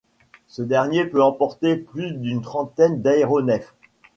Ce dernier peut emporter plus d'une trentaine d'aéronefs.